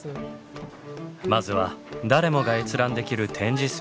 まずは誰もが閲覧できる展示スペースへ。